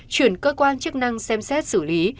chuyển cơ quan chức năng xem xét xử lý